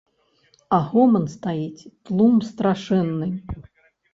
А гоман стаіць, тлум страшэнны.